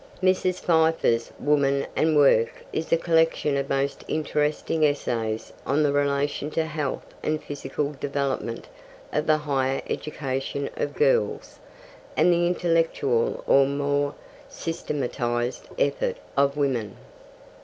Mrs. Pfeiffer's Women and Work is a collection of most interesting essays on the relation to health and physical development of the higher education of girls, and the intellectual or more systematised effort of woman.